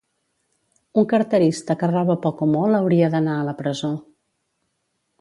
Un carterista que roba poc o molt hauria d'anar a la presó